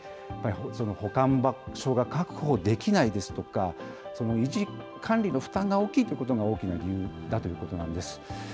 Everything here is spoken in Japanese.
やっぱり保管場所が確保できないですとか、維持管理の負担が大きいということが大きな理由だということなんです。